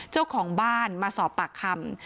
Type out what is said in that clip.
เจ้าของบ้านมาสอบปากคำ